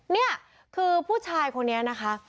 นี่คือผู้ชายคนนี้นะคะ